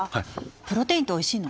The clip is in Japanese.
プロテインっておいしいの？